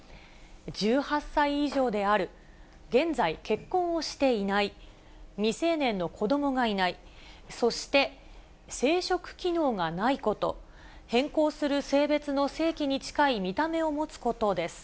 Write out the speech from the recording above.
１８歳以上である、現在結婚をしていない、未成年の子どもがいない、そして生殖機能がないこと、変更する性別の性器に近い見た目を持つことです。